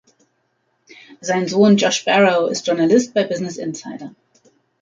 Sein Sohn Josh Barro ist Journalist bei Business Insider.